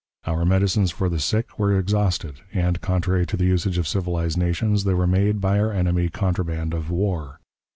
Our medicines for the sick were exhausted, and, contrary to the usage of civilized nations, they were made, by our enemy, contraband of war.